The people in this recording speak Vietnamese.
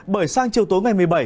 bởi sang chiều tối ngày một mươi bảy